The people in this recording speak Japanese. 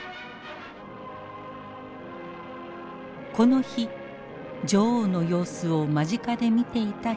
この日女王の様子を間近で見ていた人がいる。